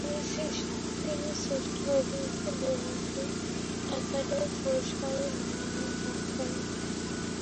তিনি শ্রেষ্ঠ অভিনেত্রী বিভাগে একাডেমি পুরস্কারের মনোনয়ন লাভ করেন।